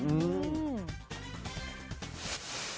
อืม